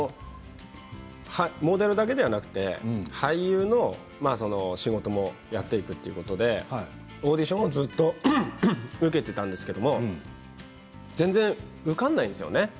モデルだけではなくて俳優の仕事もやっていくということでオーディションもずっと受けていたんですけれど全然、受からないんですよね。